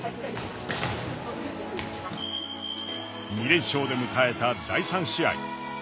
２連勝で迎えた第３試合。